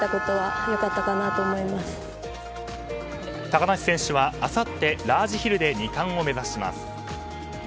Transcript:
高梨選手はあさってラージヒルで２冠を目指します。